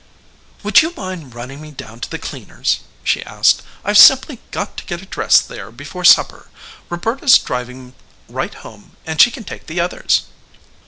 "Would you mind running me down to the cleaners?" she asked. "I've simply got to get a dress there before supper. Roberta's driving right home and she can take the others."